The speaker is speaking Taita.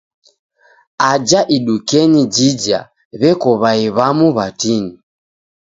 Aja idukenyi jija, w'eko w'ai wamu w'atini.